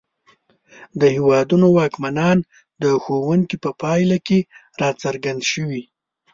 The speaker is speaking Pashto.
د هېوادونو واکمنان د ښوونکي په پایله کې راڅرګند شوي.